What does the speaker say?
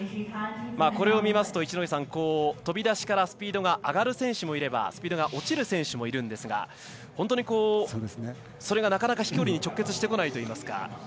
これを見ますと飛び出しからスピードが上がる選手もいればスピードが落ちる選手もいるんですが本当にそれがなかなか飛距離に直結してこないといいますか。